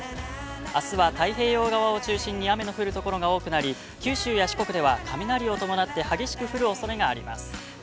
あすは太平洋側を中心に雨の降るところが多くなり九州や四国では、雷を伴って、激しく降るおそれがあります。